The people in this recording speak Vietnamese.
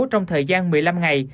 trong thời gian một mươi năm ngày